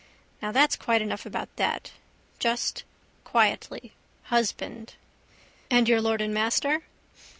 Now that's quite enough about that. Just: quietly: husband. —And your lord and master?